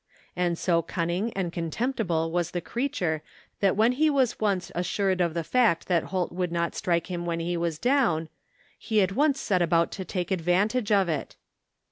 And so cimning and contemp tible was the creature that when he was once assured of the fact that Holt would not strike him when he was down, he at once set about to take advantage of it.